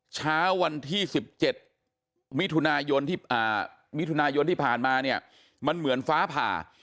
เช้าวันที่๑๗มิถุนายนมิถุนายนที่ผ่านมาเนี่ยมันเหมือนฟ้าผ่า